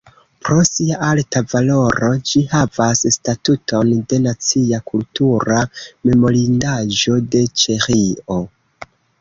Pro sia arta valoro ĝi havas statuton de nacia kultura memorindaĵo de Ĉeĥio.